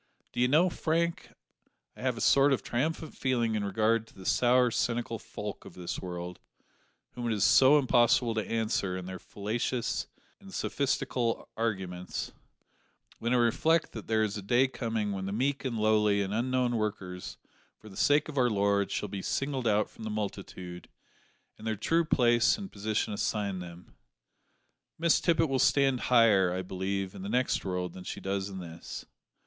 D'ye know, Frank, I have a sort of triumphant feeling in regard to the sour, cynical folk of this world whom it is so impossible to answer in their fallacious and sophistical arguments when I reflect that there is a day coming when the meek and lowly and unknown workers for the sake of our Lord shall be singled out from the multitude, and their true place and position assigned them. Miss Tippet will stand higher, I believe, in the next world than she does in this.